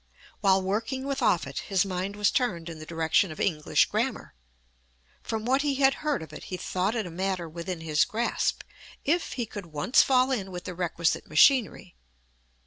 While working with Offutt his mind was turned in the direction of English grammar. From what he had heard of it he thought it a matter within his grasp, if he could once fall in with the requisite machinery.